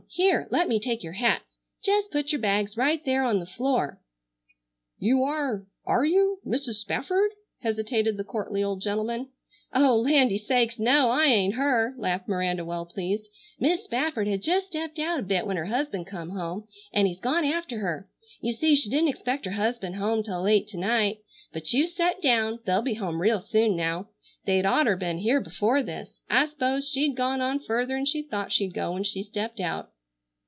Here, let me take your hats. Jest put your bags right there on the floor." "You are— Are you—Mrs. Spafford?" hesitated the courtly old gentleman. "Oh, landy sakes, no, I ain't her," laughed Miranda well pleased. "Mis' Spafford had jest stepped out a bit when her husband come home, an' he's gone after her. You see she didn't expect her husband home till late to night. But you set down. They'll be home real soon now. They'd oughter ben here before this. I 'spose she'd gone on further'n she thought she'd go when she stepped out."